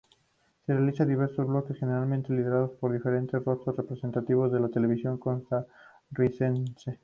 Se realizan diversos bloques, generalmente liderados por diferentes rostros representativos de la televisión costarricense.